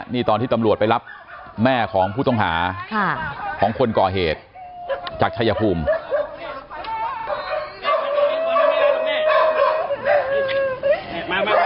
นี่ตอนที่ตำรวจไปรับแม่ของผู้ต้องหาของคนก่อเหตุจากชายภูมิ